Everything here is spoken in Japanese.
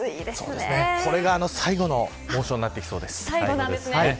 これが最後の猛暑になってきそうです。